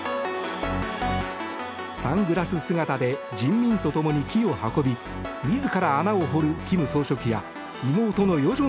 サングラス姿で人民と共に木を運び自ら穴を掘る金総書記や妹の与